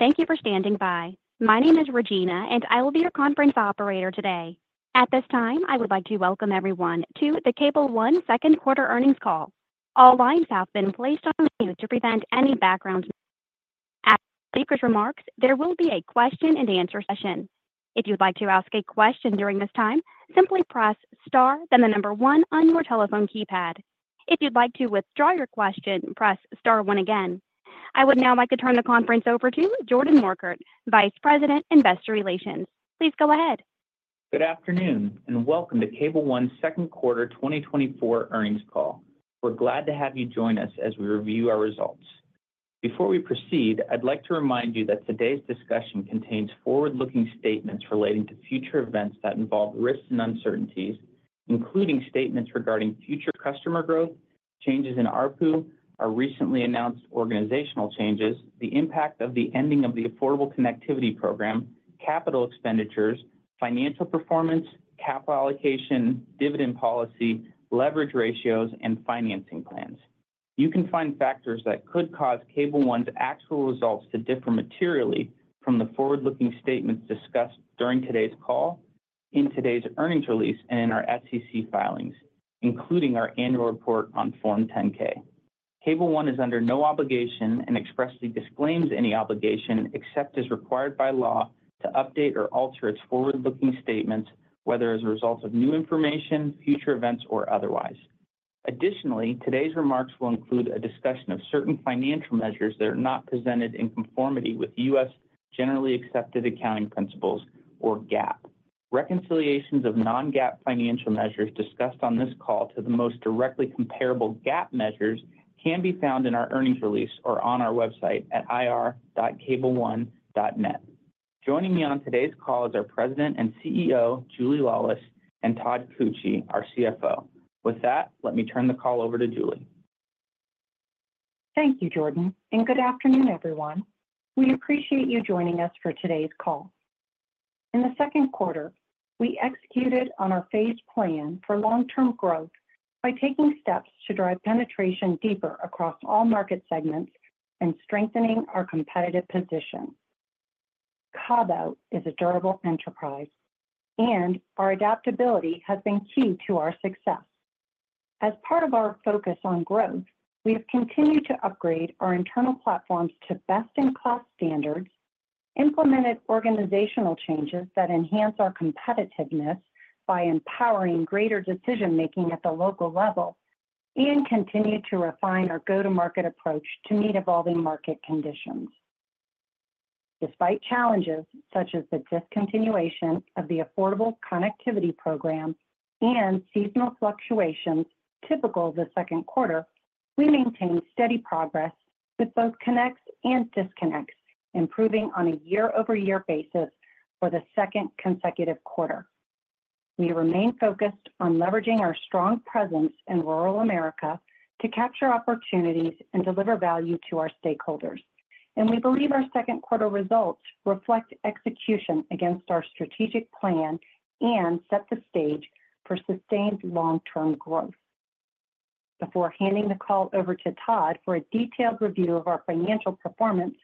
Thank you for standing by. My name is Regina, and I will be your conference operator today. At this time, I would like to welcome everyone to the Cable One second quarter earnings call. All lines have been placed on mute to prevent any background noise. After the speakers' remarks, there will be a question-and-answer session. If you'd like to ask a question during this time, simply press Star, then the number one on your telephone keypad. If you'd like to withdraw your question, press Star one again. I would now like to turn the conference over to Jordan Morkert, Vice President, Investor Relations. Please go ahead. Good afternoon, and welcome to Cable One's second quarter 2024 earnings call. We're glad to have you join us as we review our results. Before we proceed, I'd like to remind you that today's discussion contains forward-looking statements relating to future events that involve risks and uncertainties, including statements regarding future customer growth, changes in ARPU, our recently announced organizational changes, the impact of the ending of the Affordable Connectivity Program, capital expenditures, financial performance, capital allocation, dividend policy, leverage ratios, and financing plans. You can find factors that could cause Cable One's actual results to differ materially from the forward-looking statements discussed during today's call in today's earnings release and in our SEC filings, including our annual report on Form 10-K. Cable One is under no obligation and expressly disclaims any obligation, except as required by law, to update or alter its forward-looking statements, whether as a result of new information, future events, or otherwise. Additionally, today's remarks will include a discussion of certain financial measures that are not presented in conformity with U.S. generally accepted accounting principles or GAAP. Reconciliations of non-GAAP financial measures discussed on this call to the most directly comparable GAAP measures can be found in our earnings release or on our website at ir.cableone.net. Joining me on today's call is our President and CEO, Julie Laulis, and Todd Puckett, our CFO. With that, let me turn the call over to Julie. Thank you, Jordan, and good afternoon, everyone. We appreciate you joining us for today's call. In the second quarter, we executed on our phased plan for long-term growth by taking steps to drive penetration deeper across all market segments and strengthening our competitive position. Cable One is a durable enterprise, and our adaptability has been key to our success. As part of our focus on growth, we have continued to upgrade our internal platforms to best-in-class standards, implemented organizational changes that enhance our competitiveness by empowering greater decision-making at the local level, and continued to refine our go-to-market approach to meet evolving market conditions. Despite challenges such as the discontinuation of the Affordable Connectivity Program and seasonal fluctuations typical of the second quarter, we maintained steady progress with both connects and disconnects, improving on a year-over-year basis for the second consecutive quarter. We remain focused on leveraging our strong presence in rural America to capture opportunities and deliver value to our stakeholders, and we believe our second quarter results reflect execution against our strategic plan and set the stage for sustained long-term growth. Before handing the call over to Todd for a detailed review of our financial performance,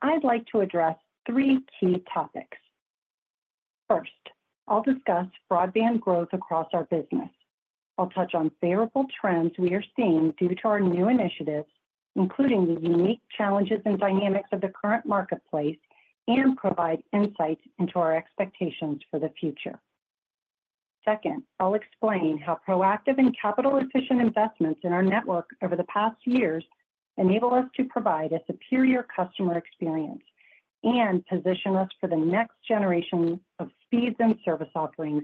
I'd like to address three key topics. First, I'll discuss broadband growth across our business. I'll touch on favorable trends we are seeing due to our new initiatives, including the unique challenges and dynamics of the current marketplace, and provide insights into our expectations for the future. Second, I'll explain how proactive and capital-efficient investments in our network over the past years enable us to provide a superior customer experience and position us for the next generation of speeds and service offerings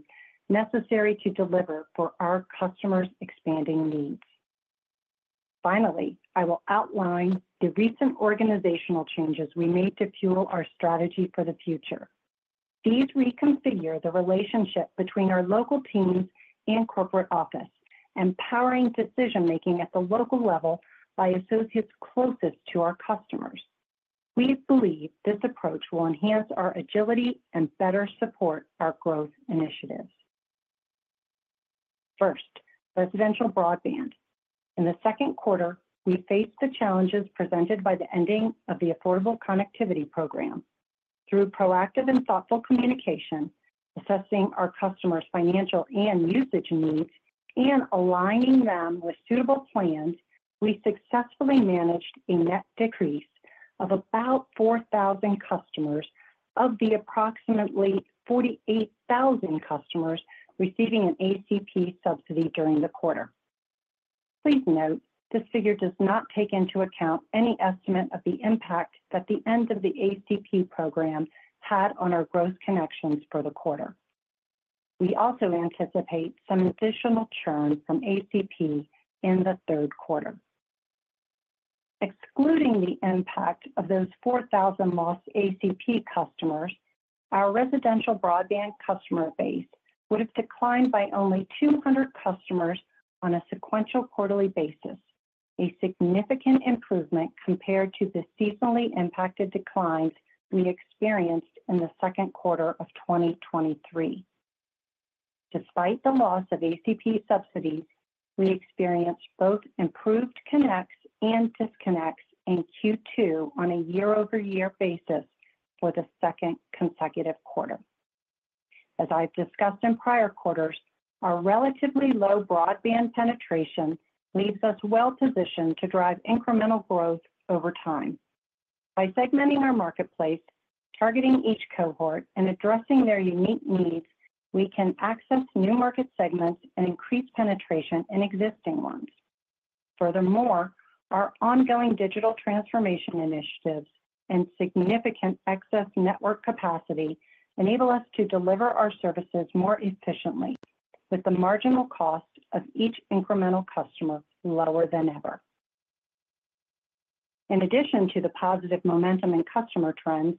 necessary to deliver for our customers' expanding needs. Finally, I will outline the recent organizational changes we made to fuel our strategy for the future. These reconfigure the relationship between our local teams and corporate office, empowering decision-making at the local level by associates closest to our customers. We believe this approach will enhance our agility and better support our growth initiatives. First, residential broadband. In the second quarter, we faced the challenges presented by the ending of the Affordable Connectivity Program. Through proactive and thoughtful communication, assessing our customers' financial and usage needs, and aligning them with suitable plans, we successfully managed a net decrease of about 4,000 customers of the approximately 48,000 customers receiving an ACP subsidy during the quarter. Please note, this figure does not take into account any estimate of the impact that the end of the ACP program had on our gross connections for the quarter. We also anticipate some additional churn from ACP in the third quarter. Excluding the impact of those 4,000 lost ACP customers, our residential broadband customer base would have declined by only 200 customers on a sequential quarterly basis, a significant improvement compared to the seasonally impacted declines we experienced in the second quarter of 2023. Despite the loss of ACP subsidies, we experienced both improved connects and disconnects in Q2 on a year-over-year basis for the second consecutive quarter. As I've discussed in prior quarters, our relatively low broadband penetration leaves us well-positioned to drive incremental growth over time. By segmenting our marketplace, targeting each cohort, and addressing their unique needs, we can access new market segments and increase penetration in existing ones. Furthermore, our ongoing digital transformation initiatives and significant excess network capacity enable us to deliver our services more efficiently, with the marginal cost of each incremental customer lower than ever. In addition to the positive momentum in customer trends,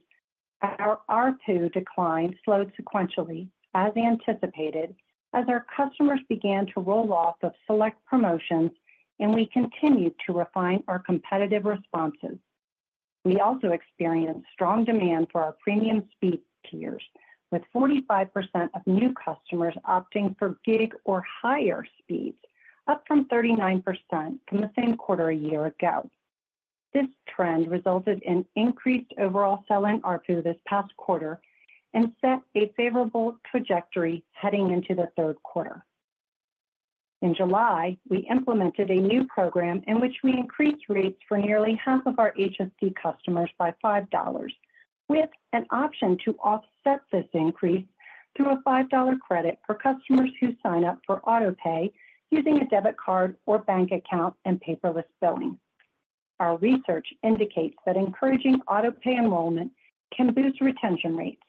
our ARPU decline slowed sequentially, as anticipated, as our customers began to roll off of select promotions, and we continued to refine our competitive responses. We also experienced strong demand for our premium speed tiers, with 45% of new customers opting for gig or higher speeds, up from 39% from the same quarter a year ago. This trend resulted in increased overall sell-in ARPU this past quarter and set a favorable trajectory heading into the third quarter. In July, we implemented a new program in which we increased rates for nearly half of our HSD customers by $5, with an option to offset this increase through a $5 credit for customers who sign up for autopay using a debit card or bank account and paperless billing. Our research indicates that encouraging autopay enrollment can boost retention rates,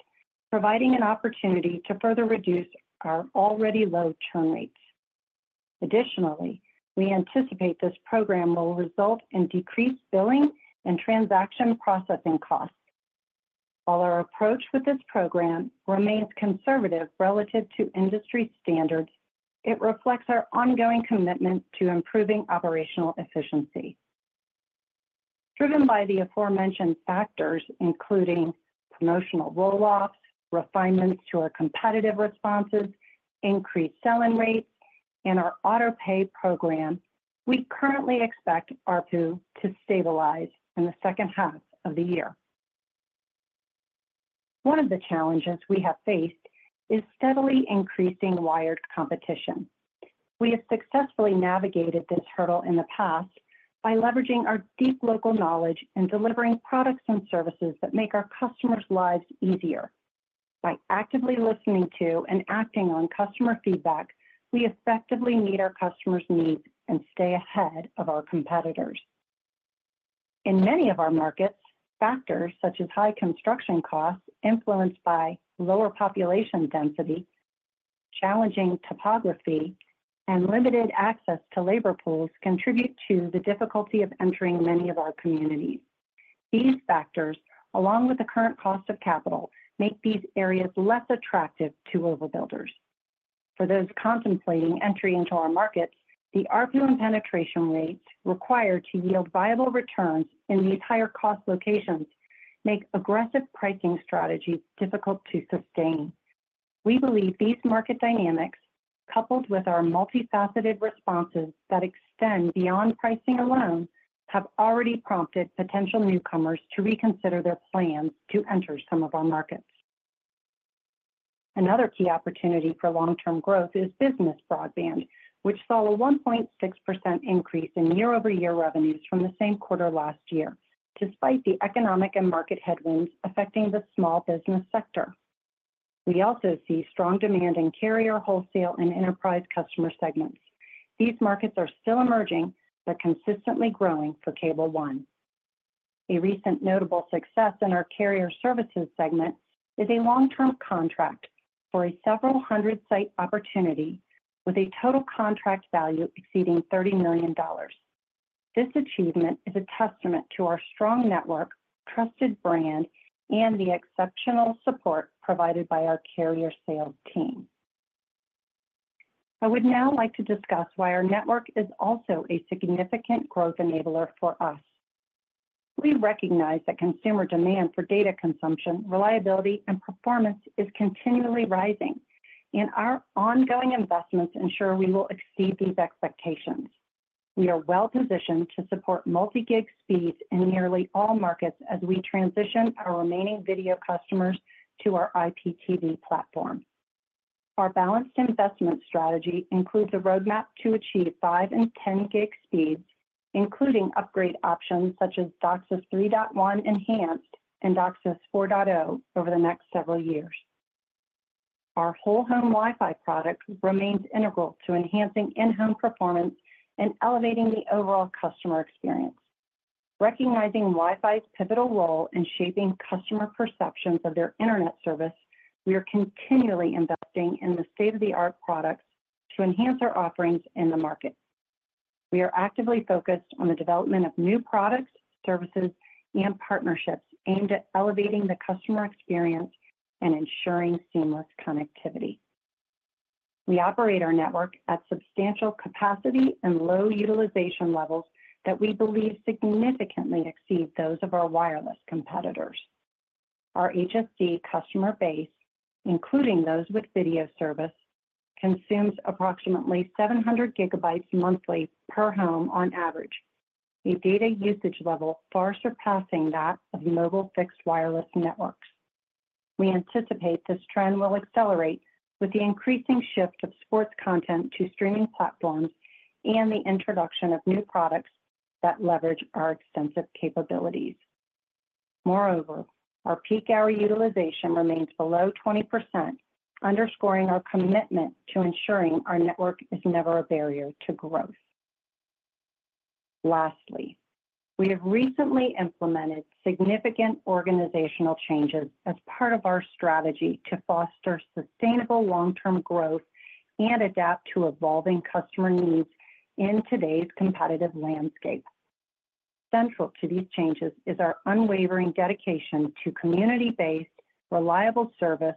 providing an opportunity to further reduce our already low churn rates. Additionally, we anticipate this program will result in decreased billing and transaction processing costs. While our approach with this program remains conservative relative to industry standards, it reflects our ongoing commitment to improving operational efficiency. Driven by the aforementioned factors, including promotional roll-offs, refinements to our competitive responses, increased sell-in rates, and our autopay program, we currently expect ARPU to stabilize in the second half of the year. One of the challenges we have faced is steadily increasing wired competition. We have successfully navigated this hurdle in the past by leveraging our deep local knowledge and delivering products and services that make our customers' lives easier. By actively listening to and acting on customer feedback, we effectively meet our customers' needs and stay ahead of our competitors. In many of our markets, factors such as high construction costs influenced by lower population density, challenging topography, and limited access to labor pools contribute to the difficulty of entering many of our communities. These factors, along with the current cost of capital, make these areas less attractive to overbuilders. For those contemplating entry into our markets, the ARPU and penetration rates required to yield viable returns in these higher-cost locations make aggressive pricing strategies difficult to sustain. We believe these market dynamics, coupled with our multifaceted responses that extend beyond pricing alone, have already prompted potential newcomers to reconsider their plans to enter some of our markets. Another key opportunity for long-term growth is business broadband, which saw a 1.6% increase in year-over-year revenues from the same quarter last year, despite the economic and market headwinds affecting the small business sector. We also see strong demand in carrier, wholesale, and enterprise customer segments. These markets are still emerging, but consistently growing for Cable One. A recent notable success in our carrier services segment is a long-term contract for a several hundred site opportunity with a total contract value exceeding $30 million. This achievement is a testament to our strong network, trusted brand, and the exceptional support provided by our carrier sales team. I would now like to discuss why our network is also a significant growth enabler for us. We recognize that consumer demand for data consumption, reliability, and performance is continually rising, and our ongoing investments ensure we will exceed these expectations. We are well positioned to support multi-gig speeds in nearly all markets as we transition our remaining video customers to our IPTV platform. Our balanced investment strategy includes a roadmap to achieve 5 and 10 gig speeds, including upgrade options such as DOCSIS 3.1 Enhanced and DOCSIS 4.0 over the next several years. Our Whole Home WiFi product remains integral to enhancing in-home performance and elevating the overall customer experience. Recognizing Wi-Fi's pivotal role in shaping customer perceptions of their internet service, we are continually investing in the state-of-the-art products to enhance our offerings in the market. We are actively focused on the development of new products, services, and partnerships aimed at elevating the customer experience and ensuring seamless connectivity. We operate our network at substantial capacity and low utilization levels that we believe significantly exceed those of our wireless competitors. Our HSD customer base, including those with video service, consumes approximately 700 GB monthly per home on average, a data usage level far surpassing that of mobile fixed wireless networks. We anticipate this trend will accelerate with the increasing shift of sports content to streaming platforms and the introduction of new products that leverage our extensive capabilities. Moreover, our peak hour utilization remains below 20%, underscoring our commitment to ensuring our network is never a barrier to growth. Lastly, we have recently implemented significant organizational changes as part of our strategy to foster sustainable long-term growth and adapt to evolving customer needs in today's competitive landscape. Central to these changes is our unwavering dedication to community-based, reliable service,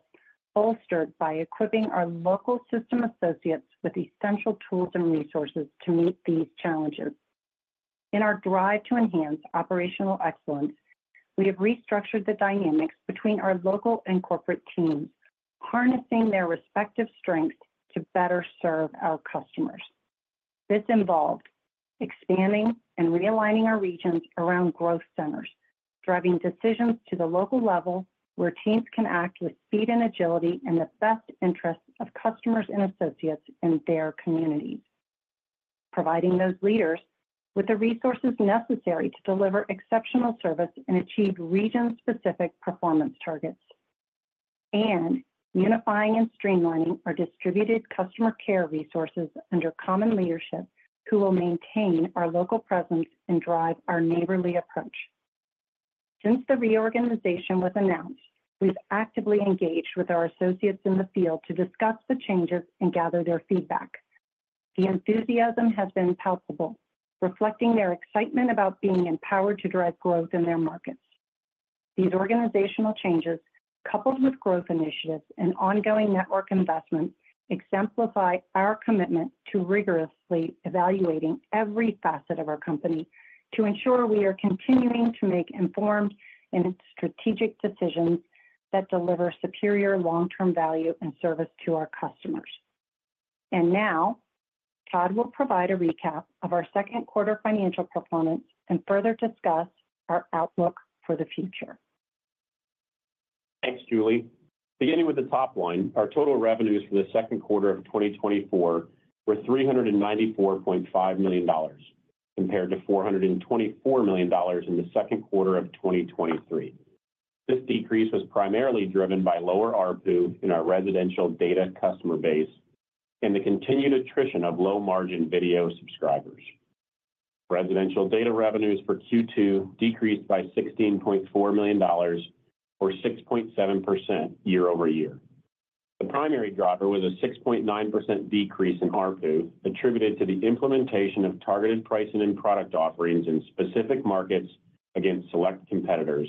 bolstered by equipping our local system associates with essential tools and resources to meet these challenges. In our drive to enhance operational excellence, we have restructured the dynamics between our local and corporate teams, harnessing their respective strengths to better serve our customers. This involved expanding and realigning our regions around growth centers, driving decisions to the local level, where teams can act with speed and agility in the best interest of customers and associates in their communities, providing those leaders with the resources necessary to deliver exceptional service and achieve region-specific performance targets, and unifying and streamlining our distributed customer care resources under common leadership, who will maintain our local presence and drive our neighborly approach. Since the reorganization was announced, we've actively engaged with our associates in the field to discuss the changes and gather their feedback. The enthusiasm has been palpable, reflecting their excitement about being empowered to drive growth in their markets. These organizational changes, coupled with growth initiatives and ongoing network investments, exemplify our commitment to rigorously evaluating every facet of our company to ensure we are continuing to make informed and strategic decisions that deliver superior long-term value and service to our customers. And now, Todd will provide a recap of our second quarter financial performance and further discuss our outlook for the future. Thanks, Julie. Beginning with the top line, our total revenues for the second quarter of 2024 were $394.5 million, compared to $424 million in the second quarter of 2023. This decrease was primarily driven by lower ARPU in our residential data customer base and the continued attrition of low-margin video subscribers. Residential data revenues for Q2 decreased by $16.4 million or 6.7% year-over-year. The primary driver was a 6.9% decrease in ARPU, attributed to the implementation of targeted pricing and product offerings in specific markets against select competitors,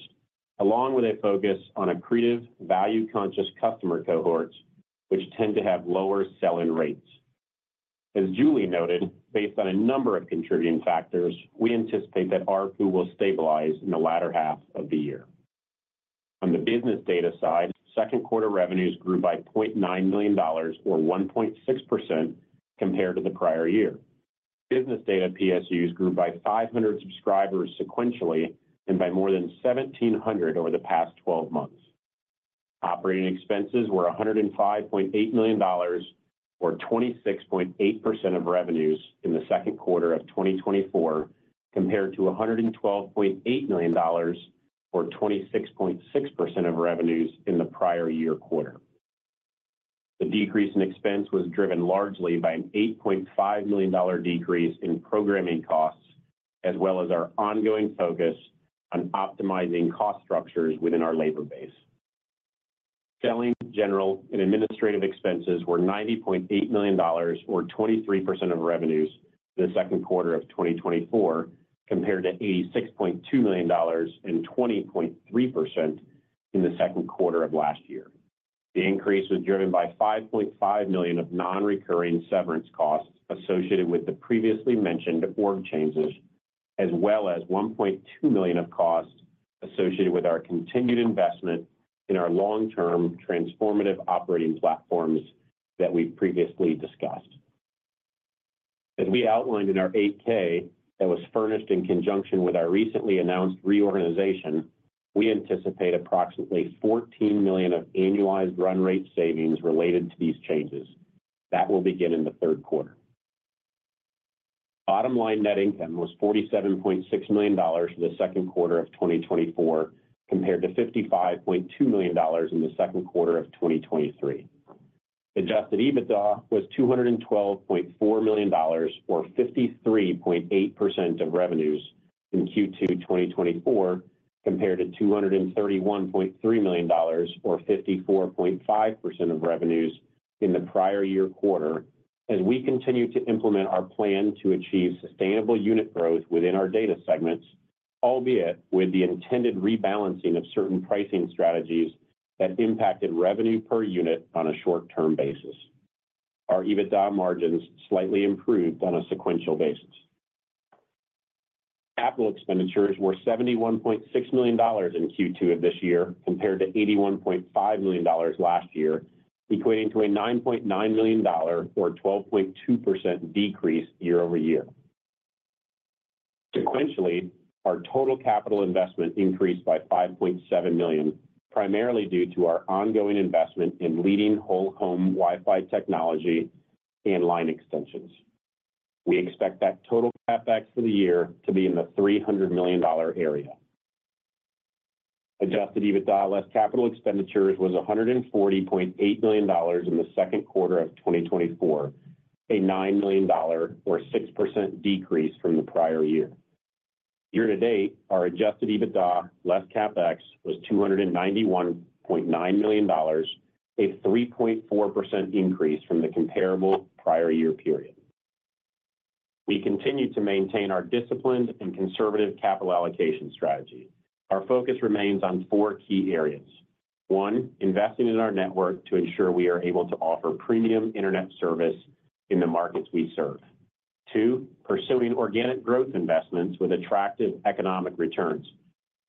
along with a focus on accretive, value-conscious customer cohorts, which tend to have lower sell-in rates. As Julie noted, based on a number of contributing factors, we anticipate that ARPU will stabilize in the latter half of the year. On the business data side, second quarter revenues grew by $0.9 million, or 1.6% compared to the prior-year. Business data PSUs grew by 500 subscribers sequentially and by more than 1,700 over the past 12 months. Operating expenses were $105.8 million, or 26.8% of revenues in the second quarter of 2024, compared to $112.8 million, or 26.6% of revenues in the prior year quarter. The decrease in expense was driven largely by an $8.5 million decrease in programming costs, as well as our ongoing focus on optimizing cost structures within our labor base. Selling, general, and administrative expenses were $90.8 million, or 23% of revenues for the second quarter of 2024, compared to $86.2 million and 20.3% in the second quarter of last year. The increase was driven by $5.5 million of non-recurring severance costs associated with the previously mentioned org changes, as well as $1.2 million of costs associated with our continued investment in our long-term transformative operating platforms that we've previously discussed. As we outlined in our 8-K that was furnished in conjunction with our recently announced reorganization, we anticipate approximately $14 million of annualized run rate savings related to these changes. That will begin in the third quarter. Bottom-line net income was $47.6 million for the second quarter of 2024, compared to $55.2 million in the second quarter of 2023. Adjusted EBITDA was $212.4 million, or 53.8% of revenues in Q2 2024, compared to $231.3 million, or 54.5% of revenues in the prior-year quarter, as we continue to implement our plan to achieve sustainable unit growth within our data segments, albeit with the intended rebalancing of certain pricing strategies that impacted revenue per unit on a short-term basis. Our EBITDA margins slightly improved on a sequential basis. Capital expenditures were $71.6 million in Q2 of this year, compared to $81.5 million last year, equating to a $9.9 million or 12.2% decrease year-over-year. Sequentially, our total capital investment increased by $5.7 million, primarily due to our ongoing investment in leading Whole Home Wi-Fi technology and line extensions. We expect that total CapEx for the year to be in the $300 million area. Adjusted EBITDA less capital expenditures was $140.8 million in the second quarter of 2024, a $9 million or 6% decrease from the prior year. Year to date, our adjusted EBITDA less CapEx was $291.9 million, a 3.4% increase from the comparable prior year period. We continue to maintain our disciplined and conservative capital allocation strategy. Our focus remains on four key areas. One, investing in our network to ensure we are able to offer premium internet service in the markets we serve. Two, pursuing organic growth investments with attractive economic returns,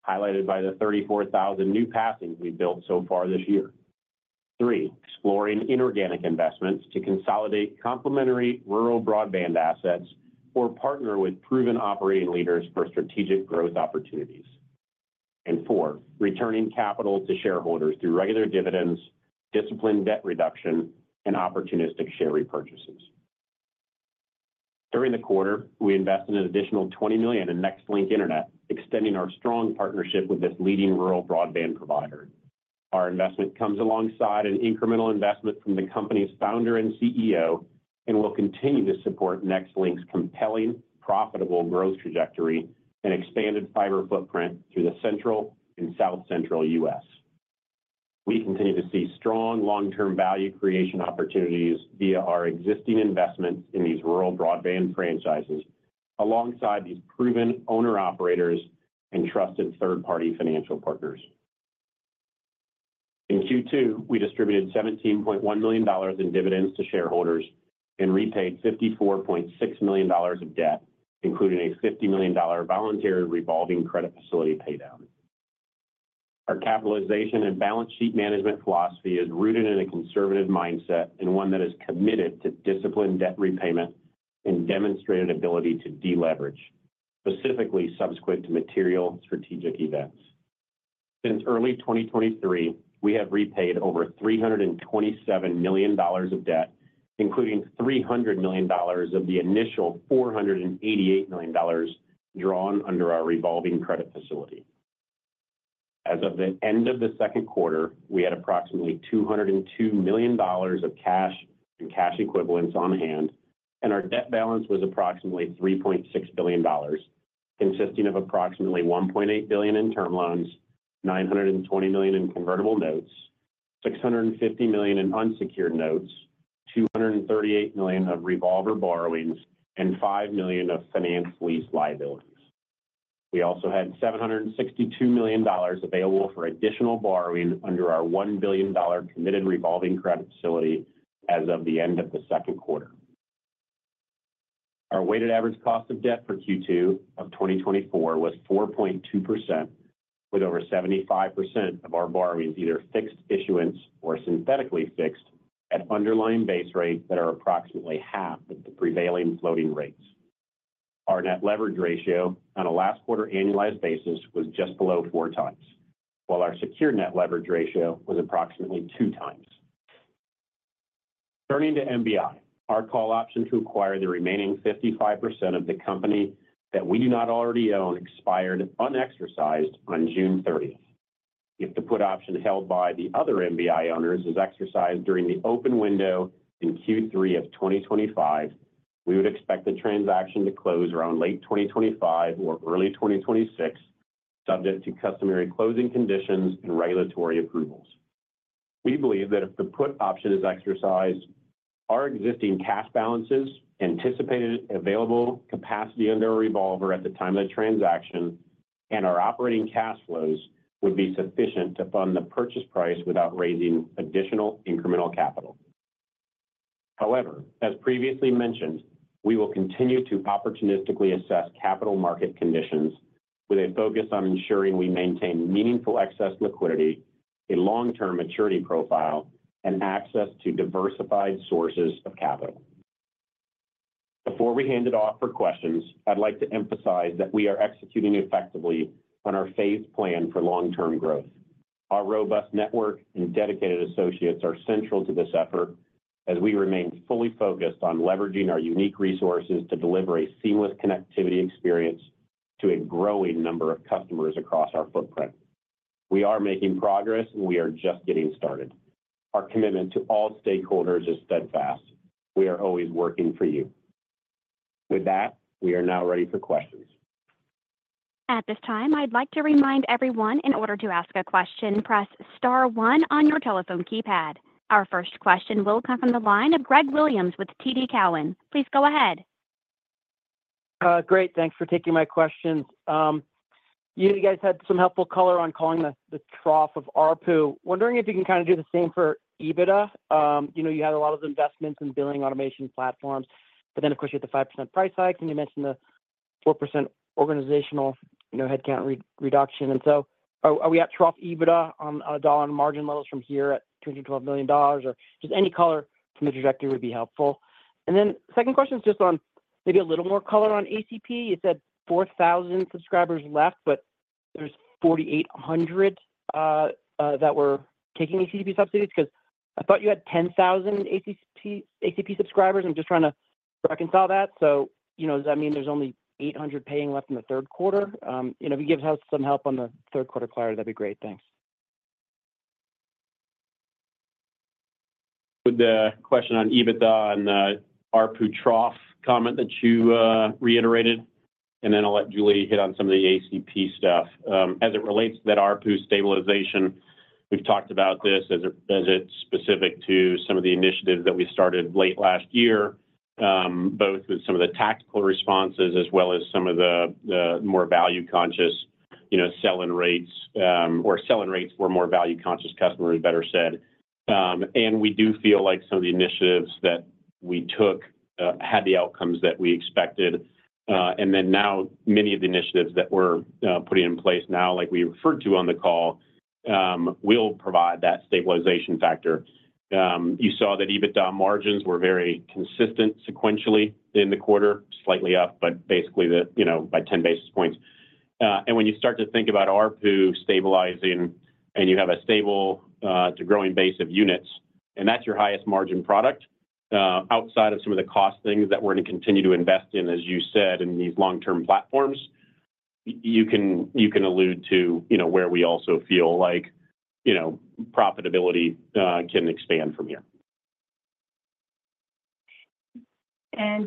highlighted by the 34,000 new passings we built so far this year. Three, exploring inorganic investments to consolidate complementary rural broadband assets or partner with proven operating leaders for strategic growth opportunities. And four, returning capital to shareholders through regular dividends, disciplined debt reduction, and opportunistic share repurchases. During the quarter, we invested an additional $20 million in Nextlink Internet, extending our strong partnership with this leading rural broadband provider. Our investment comes alongside an incremental investment from the company's founder and CEO, and will continue to support Nextlink's compelling, profitable growth trajectory and expanded fiber footprint through the Central and South Central U.S. We continue to see strong long-term value creation opportunities via our existing investments in these rural broadband franchises, alongside these proven owner-operators and trusted third-party financial partners. In Q2, we distributed $17.1 million in dividends to shareholders and repaid $54.6 million of debt, including a $50 million voluntary revolving credit facility paydown. Our capitalization and balance sheet management philosophy is rooted in a conservative mindset and one that is committed to disciplined debt repayment and demonstrated ability to deleverage, specifically subsequent to material strategic events. Since early 2023, we have repaid over $327 million of debt, including $300 million of the initial $488 million drawn under our revolving credit facility. As of the end of the second quarter, we had approximately $202 million of cash and cash equivalents on hand, and our debt balance was approximately $3.6 billion, consisting of approximately $1.8 billion in term loans, $920 million in convertible notes, $650 million in unsecured notes, $238 million of revolver borrowings, and $5 million of finance lease liabilities. We also had $762 million available for additional borrowing under our $1 billion committed revolving credit facility as of the end of the second quarter. Our weighted average cost of debt for Q2 of 2024 was 4.2%, with over 75% of our borrowings either fixed issuance or synthetically fixed at underlying base rates that are approximately half of the prevailing floating rates. Our net leverage ratio on a last quarter annualized basis was just below 4x, while our secured net leverage ratio was approximately 2x. Turning to MBI, our call option to acquire the remaining 55% of the company that we do not already own, expired unexercised on June thirtieth. If the put option held by the other MBI owners is exercised during the open window in Q3 of 2025, we would expect the transaction to close around late 2025 or early 2026, subject to customary closing conditions and regulatory approvals. We believe that if the put option is exercised, our existing cash balances, anticipated available capacity under a revolver at the time of the transaction, and our operating cash flows would be sufficient to fund the purchase price without raising additional incremental capital. However, as previously mentioned, we will continue to opportunistically assess capital market conditions with a focus on ensuring we maintain meaningful excess liquidity, a long-term maturity profile, and access to diversified sources of capital. Before we hand it off for questions, I'd like to emphasize that we are executing effectively on our phased plan for long-term growth. Our robust network and dedicated associates are central to this effort as we remain fully focused on leveraging our unique resources to deliver a seamless connectivity experience to a growing number of customers across our footprint. We are making progress, and we are just getting started. Our commitment to all stakeholders is steadfast. We are always working for you. With that, we are now ready for questions. At this time, I'd like to remind everyone, in order to ask a question, press star one on your telephone keypad. Our first question will come from the line of Greg Williams with TD Cowen. Please go ahead. Great, thanks for taking my questions. You guys had some helpful color on calling the, the trough of ARPU. Wondering if you can kind of do the same for EBITDA? You know, you had a lot of investments in billing automation platforms, but then, of course, you had the 5% price hike, and you mentioned the 4% organizational, you know, headcount re-reduction. And so are, are we at trough EBITDA on, on a dollar and margin levels from here at $212 million? Or just any color from the trajectory would be helpful. And then second question is just on maybe a little more color on ACP. You said 4,000 subscribers left, but there's 4,800 that were taking ACP subsidies, 'cause I thought you had 10,000 ACP, ACP subscribers. I'm just trying to reconcile that. So, you know, does that mean there's only 800 paying left in the third quarter? You know, if you give us some help on the third quarter clarity, that'd be great. Thanks. With the question on EBITDA and, ARPU trough comment that you, reiterated, and then I'll let Julie hit on some of the ACP stuff. As it relates to that ARPU stabilization, we've talked about this ,As it's specific to some of the initiatives that we started late last year, both with some of the tactical responses as well as some of the, the more value conscious, you know, selling rates, or selling rates were more value conscious customers, better said. And we do feel like some of the initiatives that we took, had the outcomes that we expected. And then now, many of the initiatives that we're, putting in place now, like we referred to on the call, will provide that stabilization factor. You saw that EBITDA margins were very consistent sequentially in the quarter, slightly up, but basically, you know, by ten basis points. And when you start to think about ARPU stabilizing and you have a stable to growing base of units, and that's your highest margin product, outside of some of the cost things that we're going to continue to invest in, as you said, in these long-term platforms, you can, you can allude to, you know, where we also feel like, you know, profitability can expand from here.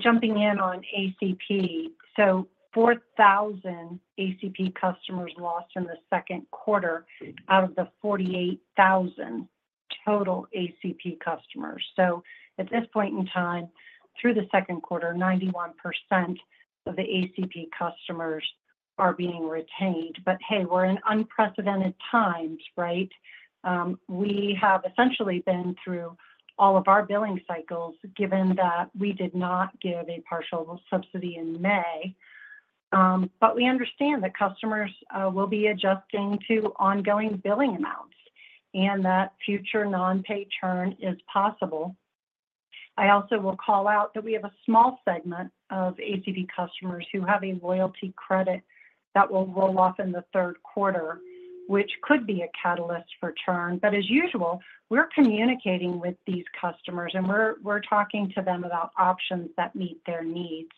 Jumping in on ACP. So 4,000 ACP customers lost in the second quarter out of the 48,000 total ACP customers. So at this point in time, through the second quarter, 91% of the ACP customers are being retained. But hey, we're in unprecedented times, right? We have essentially been through all of our billing cycles, given that we did not give a partial subsidy in May. But we understand that customers will be adjusting to ongoing billing amounts and that future non-pay churn is possible. I also will call out that we have a small segment of ACP customers who have a loyalty credit that will roll off in the third quarter, which could be a catalyst for churn. But as usual, we're communicating with these customers, and we're, we're talking to them about options that meet their needs.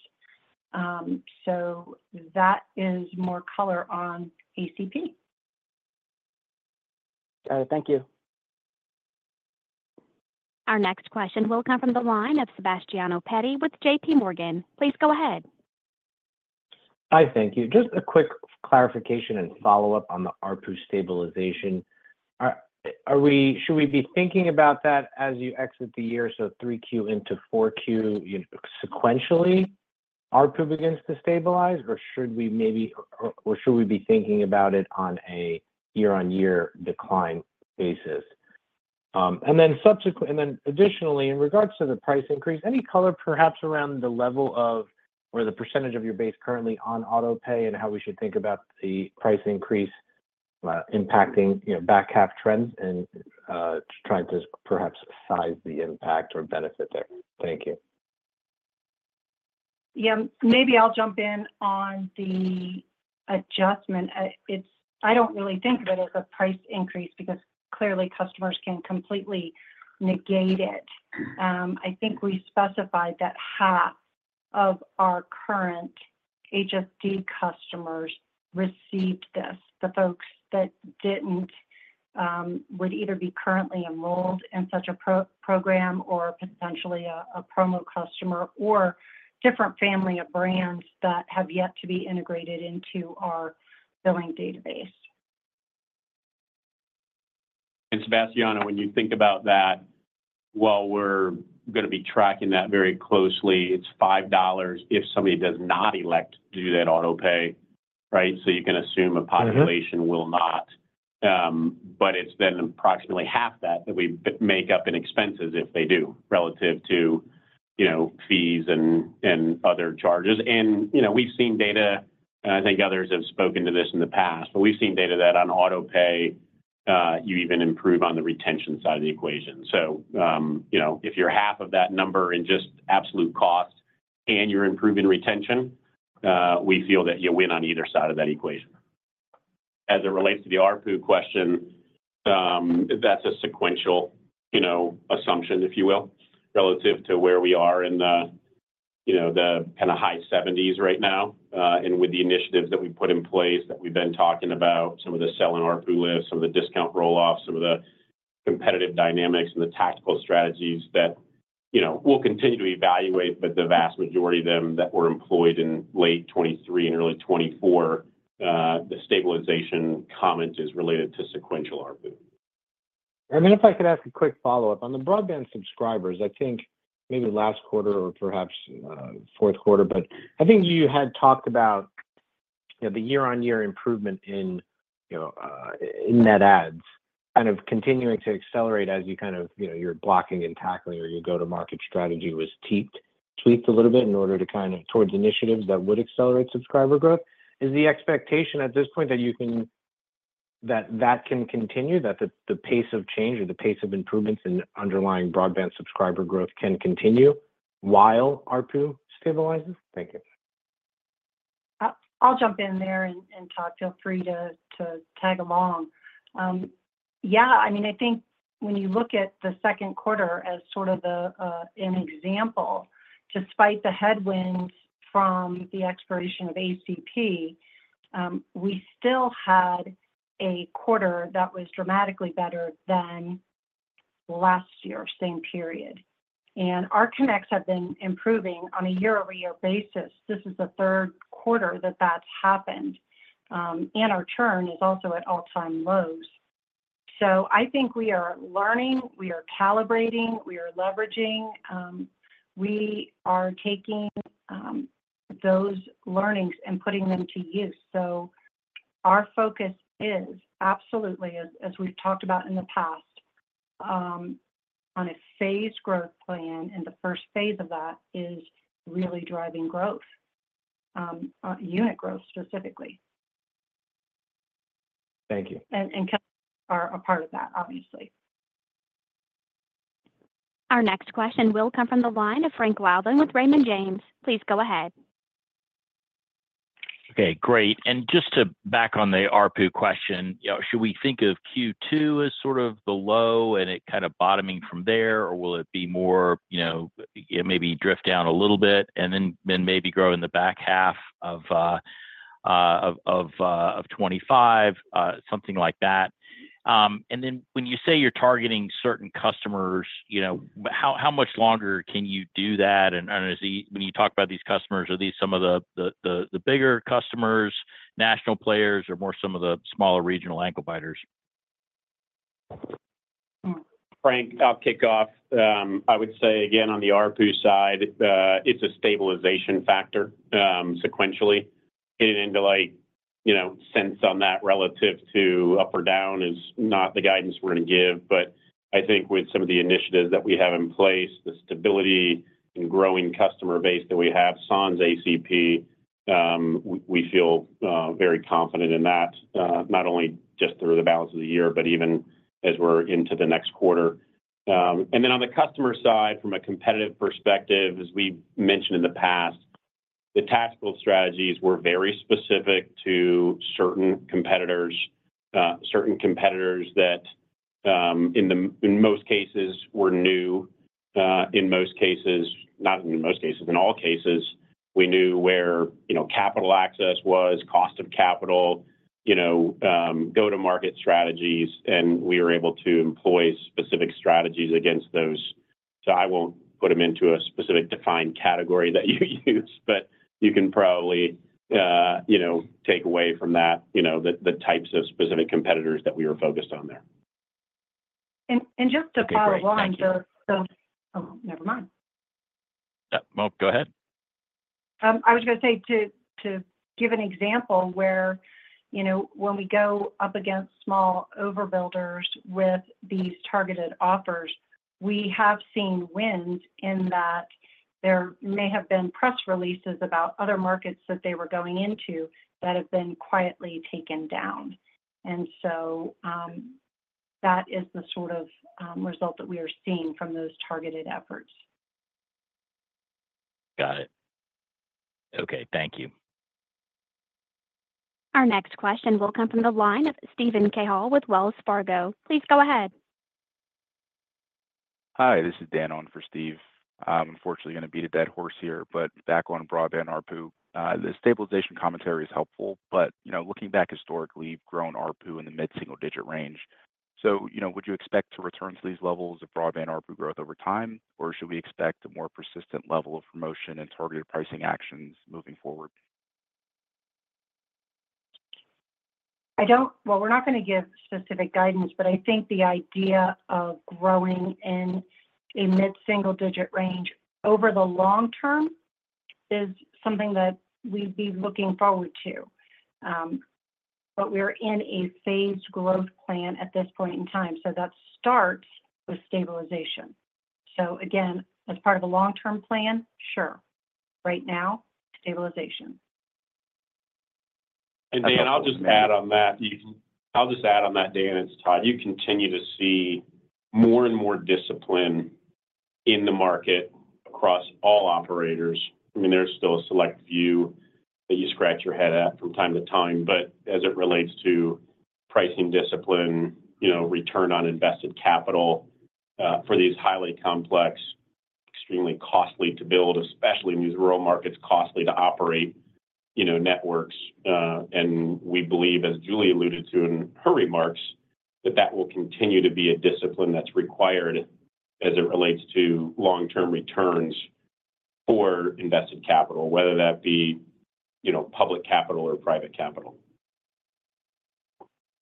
So that is more color on ACP. All right. Thank you. Our next question will come from the line of Sebastiano Petti with J.P. Morgan. Please go ahead. Hi. Thank you. Just a quick clarification and follow-up on the ARPU stabilization. Are we thinking about that as you exit the year, so 3Q into 4Q, sequentially, ARPU begins to stabilize? Or should we be thinking about it on a year-over-year decline basis? And then additionally, in regards to the price increase, any color perhaps around the level of or the percentage of your base currently on autopay and how we should think about the price increase impacting, you know, back half trends and trying to perhaps size the impact or benefit there. Thank you. Yeah. Maybe I'll jump in on the adjustment. It's I don't really think of it as a price increase because clearly customers can completely negate it. I think we specified that half of our current HSD customers received this. The folks that didn't would either be currently enrolled in such a program or potentially a promo customer or different family of brands that have yet to be integrated into our billing database. Sebastiano, when you think about that, while we're gonna be tracking that very closely, it's $5 if somebody does not elect to do that auto pay, right? So you can assume a population- will not, but it's then approximately half that, that we make up in expenses if they do, relative to, you know, fees and other charges. You know, we've seen data, and I think others have spoken to this in the past, but we've seen data that on auto pay, you even improve on the retention side of the equation. You know, if you're half of that number in just absolute cost and you're improving retention, we feel that you win on either side of that equation. As it relates to the ARPU question, that's a sequential, you know, assumption, if you will, relative to where we are in the, you know, the kind of high 70s right now. And with the initiatives that we've put in place, that we've been talking about, some of the sell-in ARPU lifts, some of the discount roll-offs, some of the competitive dynamics and the tactical strategies that, you know, we'll continue to evaluate, but the vast majority of them that were employed in late 2023 and early 2024, the stabilization comment is related to sequential ARPU. I mean, if I could ask a quick follow-up. On the broadband subscribers, I think maybe last quarter or perhaps fourth quarter, but I think you had talked about, you know, the year-on-year improvement in, you know, in net adds kind of continuing to accelerate as you kind of, you know, you're blocking and tackling or your go-to-market strategy was tweaked, tweaked a little bit in order to kind of towards initiatives that would accelerate subscriber growth. Is the expectation at this point that you can - that that can continue, that the pace of change or the pace of improvements in underlying broadband subscriber growth can continue while ARPU stabilizes? Thank you. I'll jump in there and talk. Feel free to tag along. Yeah, I mean, I think when you look at the second quarter as sort of the an example, despite the headwinds from the expiration of ACP, we still had a quarter that was dramatically better than last year, same period. And our connects have been improving on a year-over-year basis. This is the third quarter that that's happened. And our churn is also at all-time lows. So I think we are learning, we are calibrating, we are leveraging, we are taking those learnings and putting them to use. So our focus is absolutely, as we've talked about in the past, on a phased growth plan, and the first phase of that is really driving growth, unit growth specifically. Thank you. And are a part of that, obviously. Our next question will come from the line of Frank Louthan with Raymond James. Please go ahead. Okay, great. And just to back on the ARPU question, you know, should we think of Q2 as sort of the low and it kind of bottoming from there, or will it be more, you know, it maybe drift down a little bit and then maybe grow in the back half of 2025, something like that? And then when you say you're targeting certain customers, you know, how much longer can you do that? And when you talk about these customers, are these some of the bigger customers, national players, or more some of the smaller regional ankle biters? Frank, I'll kick off. I would say again, on the ARPU side, it's a stabilization factor, sequentially. Getting into like, you know, sense on that relative to up or down is not the guidance we're going to give. But I think with some of the initiatives that we have in place, the stability and growing customer base that we have sans ACP, we feel very confident in that, not only just through the balance of the year, but even as we're into the next quarter. And then on the customer side, from a competitive perspective, as we've mentioned in the past, the tactical strategies were very specific to certain competitors, certain competitors that, in most cases were new, not in most cases, in all cases, we knew where, you know, capital access was, cost of capital, you know, go-to-market strategies, and we were able to employ specific strategies against those. So I won't put them into a specific, defined category that you use, but you can probably, you know, take away from that, you know, the, the types of specific competitors that we are focused on there. And just to follow on- Okay, great. Thank you. Oh, never mind. Yeah. Well, go ahead. I was going to say, to give an example where, you know, when we go up against small overbuilders with these targeted offers, we have seen wins in that there may have been press releases about other markets that they were going into that have been quietly taken down. And so, that is the sort of result that we are seeing from those targeted efforts. Got it. Okay, thank you. Our next question will come from the line of Steven Cahall with Wells Fargo. Please go ahead. Hi, this is Dan on for Steve. I'm unfortunately going to beat a dead horse here, but back on broadband ARPU, the stabilization commentary is helpful, but, you know, looking back historically, you've grown ARPU in the mid-single-digit range. So, you know, would you expect to return to these levels of broadband ARPU growth over time, or should we expect a more persistent level of promotion and targeted pricing actions moving forward? Well, we're not going to give specific guidance, but I think the idea of growing in a mid-single-digit range over the long term is something that we'd be looking forward to. But we're in a phased growth plan at this point in time, so that starts with stabilization. So again, as part of a long-term plan, sure. Right now, stabilization. And Dan, I'll just add on that, Dan, and it's Todd. You continue to see more and more discipline in the market across all operators. I mean, there's still a select few that you scratch your head at from time to time, but as it relates to pricing discipline, you know, return on invested capital for these highly complex, extremely costly to build, especially in these rural markets, costly to operate, you know, networks, and we believe, as Julie alluded to in her remarks, that that will continue to be a discipline that's required as it relates to long-term returns for invested capital, whether that be, you know, public capital or private capital.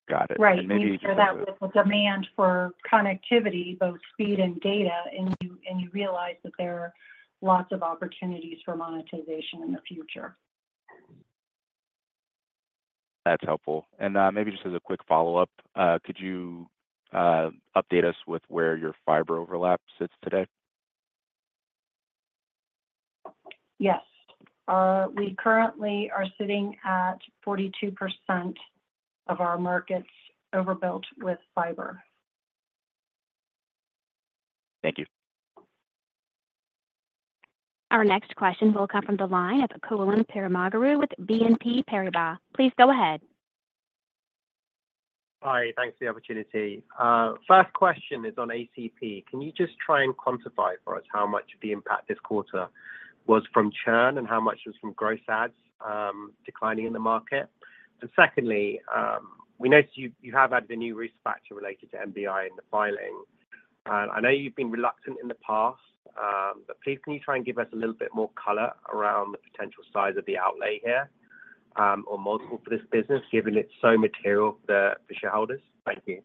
Got it. Right. And maybe- You pair that with the demand for connectivity, both speed and data, and you realize that there are lots of opportunities for monetization in the future. That's helpful. Maybe just as a quick follow-up, could you update us with where your fiber overlap sits today? Yes. We currently are sitting at 42% of our markets overbuilt with fiber. Thank you. Our next question will come from the line of Kulon Perumaguru with BNP Paribas. Please go ahead. Hi, thanks for the opportunity. First question is on ACP. Can you just try and quantify for us how much of the impact this quarter was from churn, and how much was from gross adds, declining in the market? And secondly, we noticed you have added a new risk factor related to MBI in the filing. And I know you've been reluctant in the past, but please, can you try and give us a little bit more color around the potential size of the outlay here, or multiple for this business, given it's so material for shareholders? Thank you.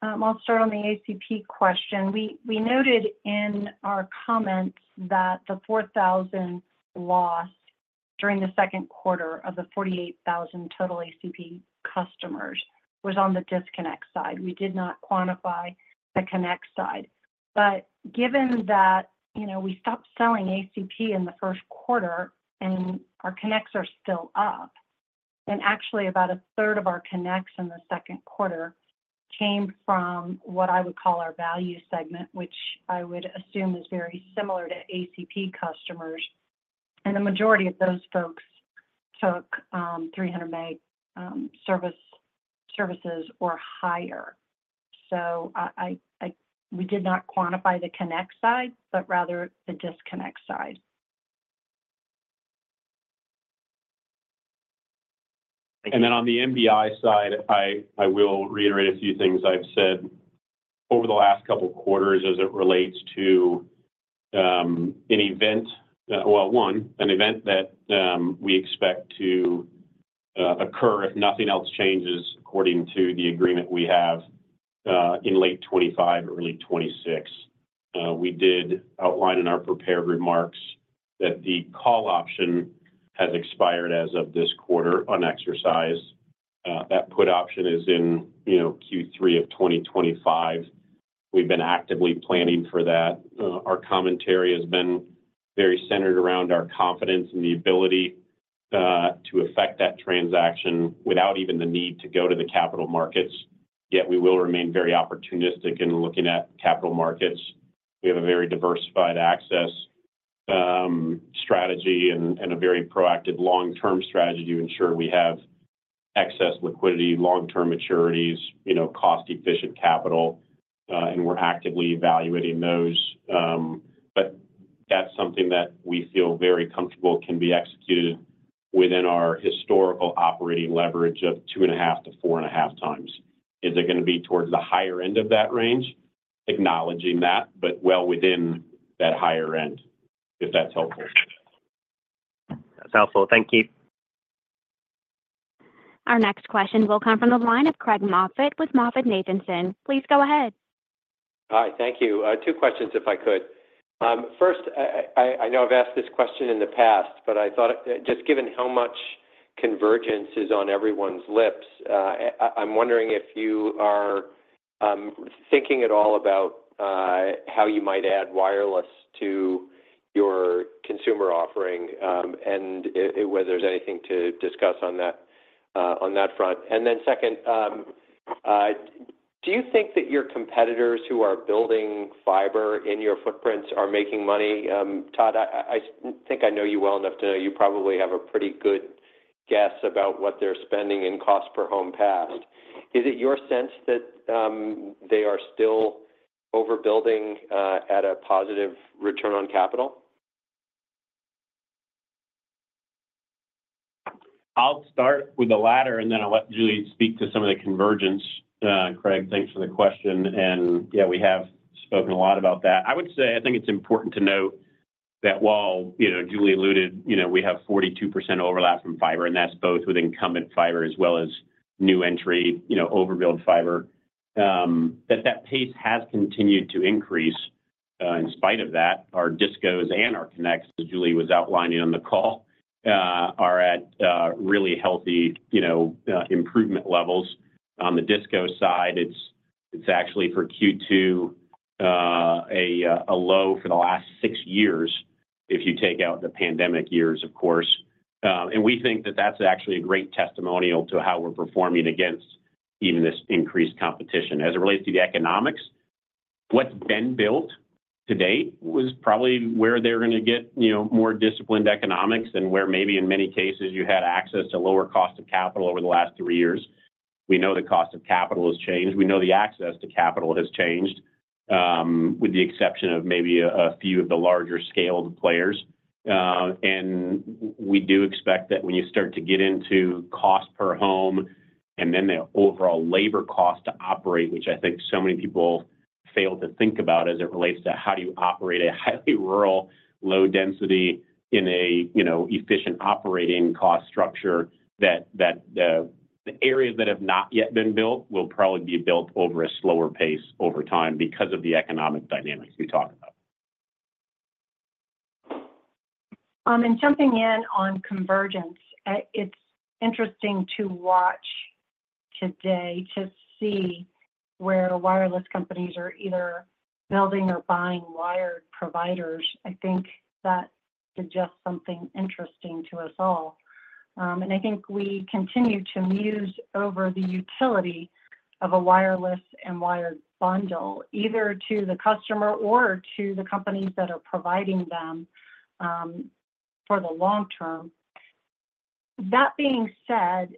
I'll start on the ACP question. We noted in our comments that the 4,000 lost during the second quarter of the 48,000 total ACP customers was on the disconnect side. We did not quantify the connect side. But given that, you know, we stopped selling ACP in the first quarter and our connects are still up, and actually, about a third of our connects in the second quarter came from what I would call our value segment, which I would assume is very similar to ACP customers. And the majority of those folks took 300 meg service, services or higher. So we did not quantify the connect side, but rather the disconnect side. On the MBI side, I will reiterate a few things I've said over the last couple of quarters as it relates to an event that we expect to occur if nothing else changes according to the agreement we have in late 2025 or early 2026. We did outline in our prepared remarks that the call option has expired as of this quarter on exercise. That put option is in, you know, Q3 of 2025. We've been actively planning for that. Our commentary has been very centered around our confidence in the ability to effect that transaction without even the need to go to the capital markets. Yet we will remain very opportunistic in looking at capital markets. We have a very diversified access strategy and a very proactive long-term strategy to ensure we have excess liquidity, long-term maturities, you know, cost-efficient capital, and we're actively evaluating those. But that's something that we feel very comfortable can be executed within our historical operating leverage of 2.5-4.5x. Is it gonna be towards the higher end of that range? Acknowledging that, but well within that higher end, if that's helpful. That's helpful. Thank you. Our next question will come from the line of Craig Moffett, with MoffettNathanson. Please go ahead. Hi, thank you. Two questions, if I could. First, I know I've asked this question in the past, but I thought, just given how much convergence is on everyone's lips, I'm wondering if you are thinking at all about how you might add wireless to your consumer offering, and whether there's anything to discuss on that front. Then second, do you think that your competitors who are building fiber in your footprints are making money? Todd, I think I know you well enough to know you probably have a pretty good guess about what they're spending in cost per home passed. Is it your sense that they are still overbuilding at a positive return on capital? I'll start with the latter, and then I'll let Julie speak to some of the convergence. Craig, thanks for the question. And yeah, we have spoken a lot about that. I would say, I think it's important to note that while, you know, Julie alluded, you know, we have 42% overlap from fiber, and that's both with incumbent fiber as well as new entry, you know, overbuild fiber, that pace has continued to increase. In spite of that, our discos and our connects, as Julie was outlining on the call, are at really healthy, you know, improvement levels. On the disco side, it's actually for Q2 a low for the last six years, if you take out the pandemic years, of course. And we think that that's actually a great testimonial to how we're performing against even this increased competition. As it relates to the economics, what's been built to date was probably where they're gonna get, you know, more disciplined economics than where maybe in many cases, you had access to lower cost of capital over the last three years. We know the cost of capital has changed. We know the access to capital has changed, with the exception of maybe a few of the larger-scaled players. And we do expect that when you start to get into cost per home-... and then the overall labor cost to operate, which I think so many people fail to think about as it relates to how do you operate a highly rural, low density in a, you know, efficient operating cost structure, that the areas that have not yet been built will probably be built over a slower pace over time because of the economic dynamics we talk about. And jumping in on convergence, it's interesting to watch today to see where wireless companies are either building or buying wired providers. I think that suggests something interesting to us all. And I think we continue to muse over the utility of a wireless and wired bundle, either to the customer or to the companies that are providing them, for the long term. That being said,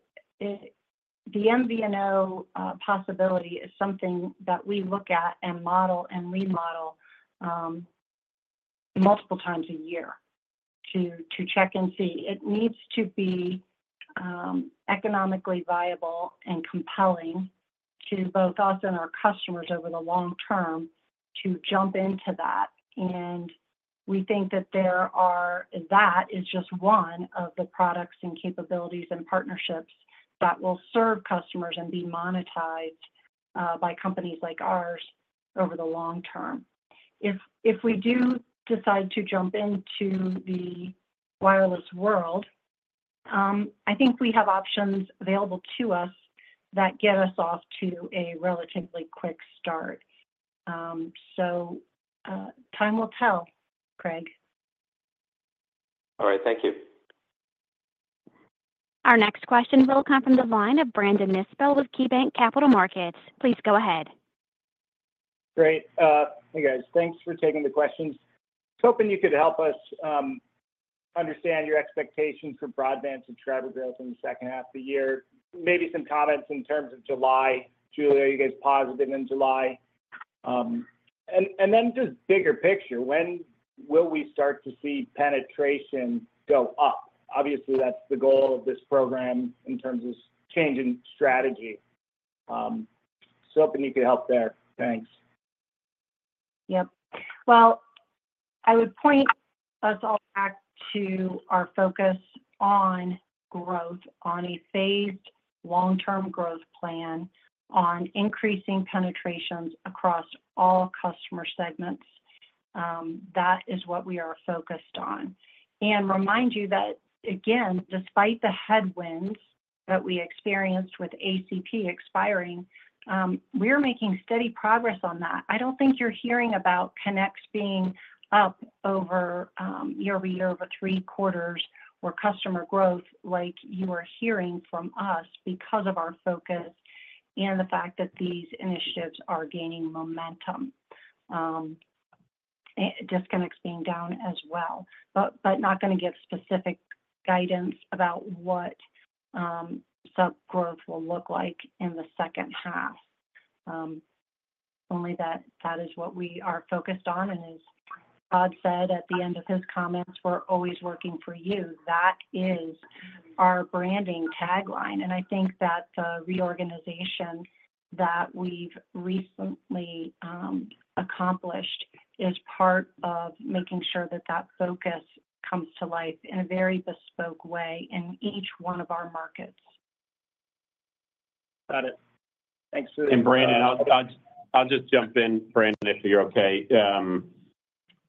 the MVNO possibility is something that we look at, and model, and remodel, multiple times a year to check and see. It needs to be economically viable and compelling to both us and our customers over the long term to jump into that. We think that that is just one of the products, and capabilities, and partnerships that will serve customers and be monetized by companies like ours over the long term. If we do decide to jump into the wireless world, I think we have options available to us that get us off to a relatively quick start. So, time will tell, Craig. All right. Thank you. Our next question will come from the line of Brandon Nispel with KeyBanc Capital Markets. Please go ahead. Great. Hey, guys. Thanks for taking the questions. I was hoping you could help us understand your expectations for broadband subscriber growth in the second half of the year. Maybe some comments in terms of July. Julie, are you guys positive in July? And then just bigger picture, when will we start to see penetration go up? Obviously, that's the goal of this program in terms of changing strategy. So hoping you could help there. Thanks. Yep. Well, I would point us all back to our focus on growth, on a phased long-term growth plan, on increasing penetrations across all customer segments. That is what we are focused on. And remind you that, again, despite the headwinds that we experienced with ACP expiring, we're making steady progress on that. I don't think you're hearing about connects being up over year-over-year, over three quarters, or customer growth like you are hearing from us because of our focus and the fact that these initiatives are gaining momentum. Disconnects being down as well, but not gonna give specific guidance about what sub growth will look like in the second half. Only that that is what we are focused on, and as Todd said at the end of his comments, we're always working for you. That is our branding tagline, and I think that the reorganization that we've recently accomplished is part of making sure that that focus comes to life in a very bespoke way in each one of our markets. Got it. Thanks for the- Brandon, I'll just jump in, Brandon, if you're okay.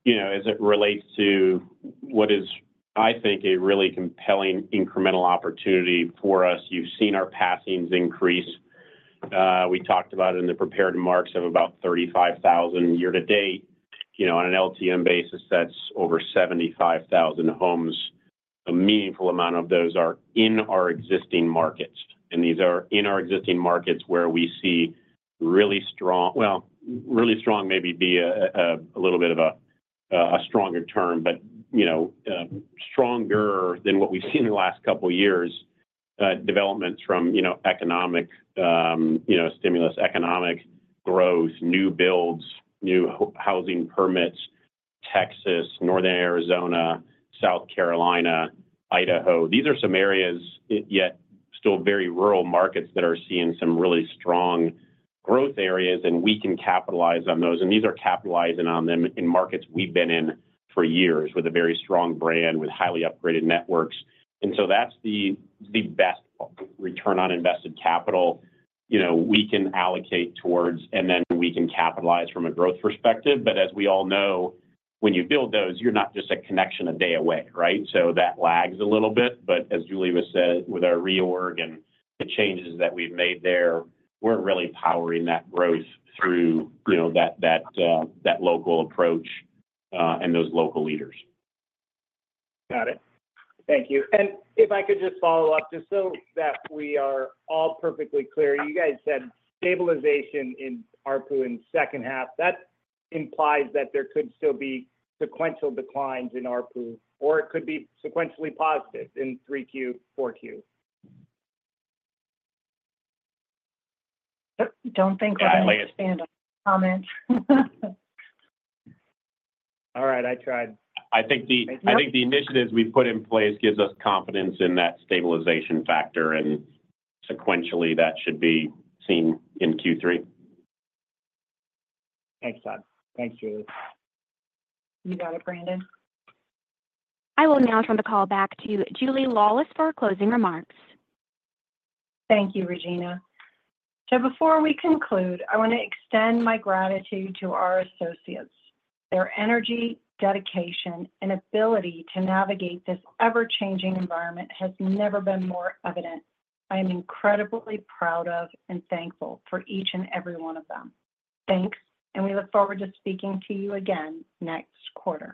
You know, as it relates to what is, I think, a really compelling incremental opportunity for us, you've seen our passings increase. We talked about it in the prepared remarks of about 35,000 year to date. You know, on an LTM basis, that's over 75,000 homes. A meaningful amount of those are in our existing markets, and these are in our existing markets where we see really strong... Well, really strong may be a little bit of a stronger term, but, you know, stronger than what we've seen in the last couple of years. Developments from, you know, economic stimulus, economic growth, new builds, new housing permits, Texas, northern Arizona, South Carolina, Idaho. These are some areas, yet still very rural markets, that are seeing some really strong growth areas, and we can capitalize on those. And these are capitalizing on them in markets we've been in for years with a very strong brand, with highly upgraded networks. And so that's the best return on invested capital. You know, we can allocate towards, and then we can capitalize from a growth perspective. But as we all know, when you build those, you're not just a connection a day away, right? So that lags a little bit, but as Julie has said, with our reorg and the changes that we've made there, we're really powering that growth through, you know, that local approach, and those local leaders. Got it. Thank you. And if I could just follow up, just so that we are all perfectly clear, you guys said stabilization in ARPU in second half. That implies that there could still be sequential declines in ARPU, or it could be sequentially positive in 3Q, 4Q. Don't think we're gonna expand on the comment. All right, I tried. I think the- Thank you. I think the initiatives we've put in place gives us confidence in that stabilization factor, and sequentially, that should be seen in Q3. Thanks, Todd. Thanks, Julie. You got it, Brandon. I will now turn the call back to Julie Laulis for our closing remarks. Thank you, Regina. So before we conclude, I want to extend my gratitude to our associates. Their energy, dedication, and ability to navigate this ever-changing environment has never been more evident. I am incredibly proud of and thankful for each and every one of them. Thanks, and we look forward to speaking to you again next quarter.